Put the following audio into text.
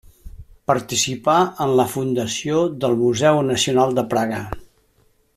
Participà en la fundació del Museu Nacional de Praga.